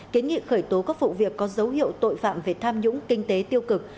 kiến nghị khởi tố các vụ việc có dấu hiệu tội phạm về tham nhũng kinh tế tiêu cực